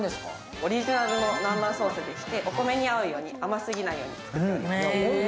オリジナルの南蛮ソースでしてお米に合うように甘すぎないように作っております